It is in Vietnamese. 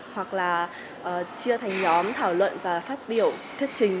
hoặc là chia thành nhóm thảo luận và phát biểu thiết trình